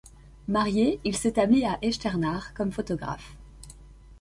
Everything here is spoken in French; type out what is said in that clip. Marié, il s'établit à Echternach comme photographe.